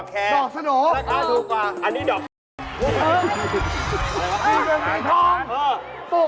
อกระเขดให้ไม่เลือก